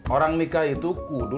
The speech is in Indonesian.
orang nikah itu kudu